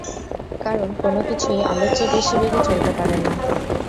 কারণ কোন কিছুই আলোর চেয়ে বেশি বেগে চলতে পারে না।